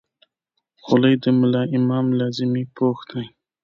خولۍ د ملا امام لازمي پوښ دی.